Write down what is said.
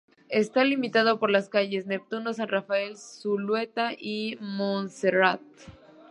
Está limitado por las calles Neptuno, San Rafael, Zulueta y Monserrate.